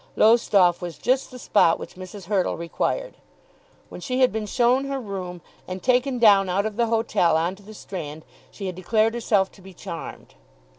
Lowestoft was just the spot which Mrs. Hurtle required. When she had been shown her room, and taken down out of the hotel on to the strand, she had declared herself to be charmed.